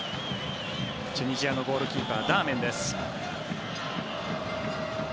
チュニジアのゴールキーパーダーメンです。